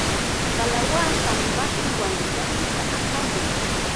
¡Kalawasa matiwan yakuta apamuy!